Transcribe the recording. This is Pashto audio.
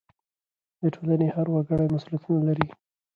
د ټولنې هر وګړی مسؤلیتونه لري.